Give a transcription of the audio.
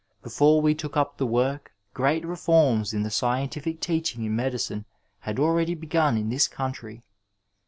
Before we took up the work great reforms in the scientific teaching in medicine had already begun in this country.